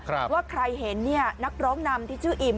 ว่าใครเห็นเนี่ยนักร้องนำที่ชื่ออิ่ม